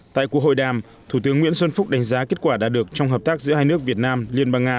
tại cuộc hội đàm thủ tướng nguyễn xuân phúc đánh giá kết quả đạt được trong hợp tác giữa hai nước việt nam liên bang nga